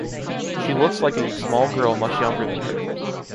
She looks like a small girl much younger than her.